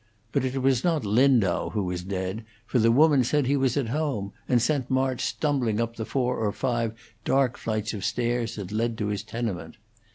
But it was not Lindau who was dead, for the woman said he was at home, and sent March stumbling up the four or five dark flights of stairs that led to his tenement.